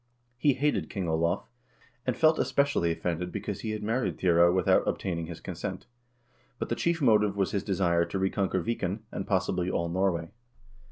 lie hated King Olav, and felt especially offended because he had married Thyre without obtaining his consent ; but the chief motive was his desire to reconquer Viken, and, possibly, all Norway.